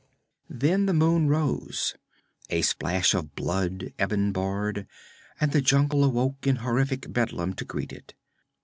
Then the moon rose, a splash of blood, ebony barred, and the jungle awoke in horrific bedlam to greet it.